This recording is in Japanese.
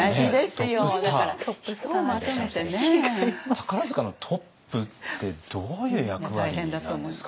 宝塚のトップってどういう役割なんですか？